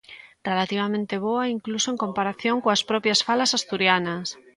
Relativamente boa, incluso en comparación coas propias falas asturianas.